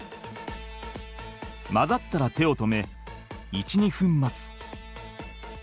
混ざったら手を止め１２分待つ。